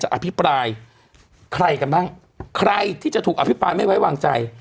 อภิปรายใครกันบ้างใครที่จะถูกอภิปรายไม่ไว้วางใจ